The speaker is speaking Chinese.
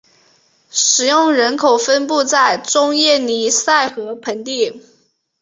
使用人口分布在中叶尼塞河盆地。